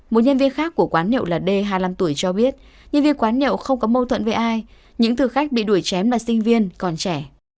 một nhân viên khác của quán nhậu là d hai mươi năm tuổi cho biết nhân viên quán nhậu không có mâu thuẫn với ai những thực khách bị đuổi chém là sinh viên còn trẻ